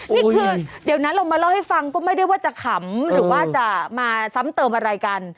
นี่คือเดี๋ยวนั้นเรามาเล่าให้ฟังก็ไม่ได้ว่าจะขำหรือว่าจะมาซ้ำเติมอะไรกัน